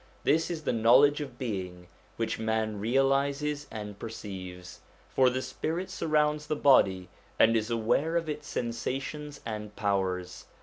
This is the knowledge of being which man realises and perceives; for the spirit surrounds the body, and is aware of its sensations and powers.